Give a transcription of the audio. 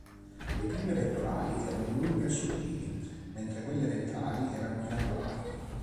Le pinne pettorali erano lunghe e sottili, mentre quelle ventrali erano triangolari.